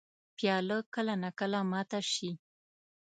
پیاله کله نا کله ماته شي.